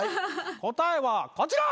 答えはこちら！